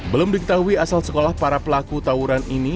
belum diketahui asal sekolah para pelaku tawuran ini